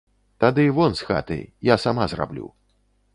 Тады вон з хаты, я сама зраблю.